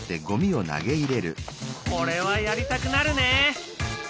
これはやりたくなるね。